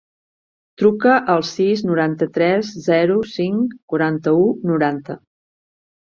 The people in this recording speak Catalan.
Truca al sis, noranta-tres, zero, cinc, quaranta-u, noranta.